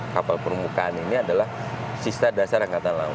kapal permukaan ini adalah sista dasar angkatan laut